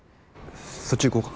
そっち行こうか？